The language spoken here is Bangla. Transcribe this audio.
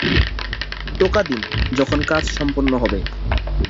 আলাউদ্দিন আহম্মদ জাহাঙ্গীরনগর বিশ্ববিদ্যালয়ের সাবেক উপাচার্য।